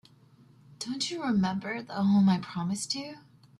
Don't you remember the home I promised you?